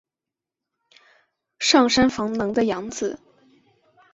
上杉房能的养子。